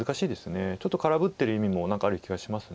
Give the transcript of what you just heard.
ちょっと空振ってる意味も何かある気がします。